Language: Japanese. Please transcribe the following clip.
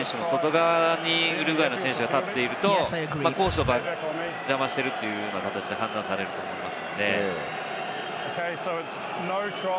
フランスの選手の外側にウルグアイの選手が立っていると、コースを邪魔しているという形で判断されると思います。